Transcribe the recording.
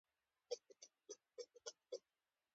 پښتانه به د پښتو د ټیکنالوجۍ پراختیا سره پرمختګ وکړي.